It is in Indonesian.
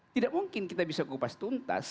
tidak mungkin kita bisa kupas tuntas